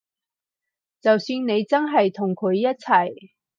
就算你真係同佢一齊